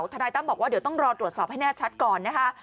ทนายตั้มบอกว่าเดี๋ยวต้องรอตรวจสอบให้แน่ชัดก่อนนะคะ